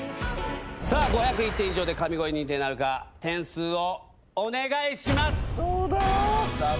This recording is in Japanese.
さあ、５０１点以上で神声認定なるか、点数をお願いします。